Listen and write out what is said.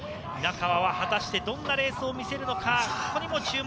果たして、どんなレースを見せるのか。